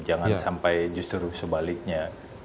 jangan sampai justru sebaliknya